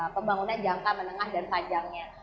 pembangunan jangka menengah dan panjangnya